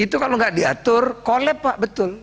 itu kalau enggak diatur kolep pak betul